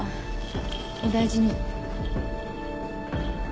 お大事に。